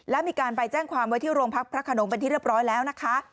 และมีการไปแจ้งความไว้ที่โรงพักพระขนงเป็นที่เรียบร้อยแล้วนะคะ